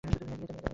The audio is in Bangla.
হ্যাঁ, নিয়ে যান।